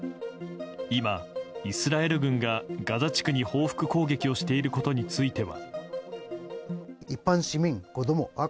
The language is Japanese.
今、イスラエル軍がガザ地区に報復攻撃をしていることについては。